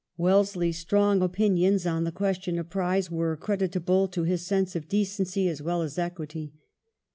Wellesley's strong opinions on the question of prize were creditable to his sense of decency as well as equity.